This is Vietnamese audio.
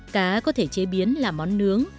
cá có thể chế biến là món nướng